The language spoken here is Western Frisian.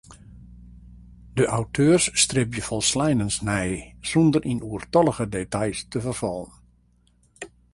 De auteurs stribje folsleinens nei sûnder yn oerstallige details te ferfallen.